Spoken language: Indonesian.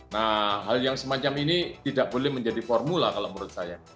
nah hal yang semacam ini tidak boleh menjadi formula kalau menurut saya